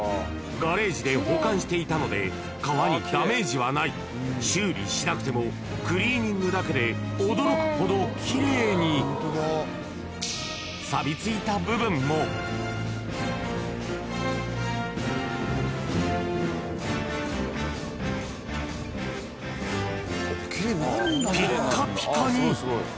ガレージで保管していたので革にダメージはない修理しなくてもクリーニングだけで驚くほどキレイにサビついた部分もピッカピカに！